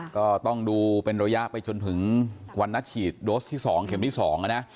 ก็ต้องดูเป็นระยะไปจนถึงวันนัดฉีดโดสที่๒เข็มที่๒นะ